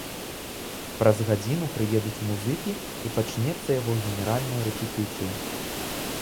Праз гадзіну прыедуць музыкі і пачнецца яго генеральная рэпетыцыя.